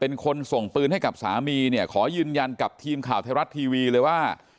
เป็นคนส่งปืนให้กับสามีเนี่ยขอยืนยันกับทีมข่าวไทยรัฐทีวีเลยว่า